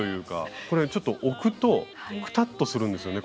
これちょっと置くとクタッとするんですよね